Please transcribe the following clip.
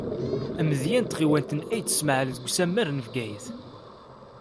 Amedya n tɣiwant n Ayt Smaɛel, deg usamar n Bgayet.